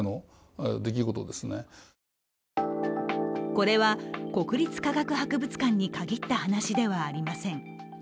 これは国立科学博物館に限った話ではありません。